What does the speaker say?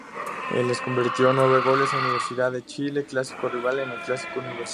Le convirtió nueve goles a Universidad de Chile, clásico rival, en el Clásico Universitario.